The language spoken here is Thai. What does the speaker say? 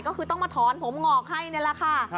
ก็คือต้องมาถอนผมงอกให้นี่แหละค่ะ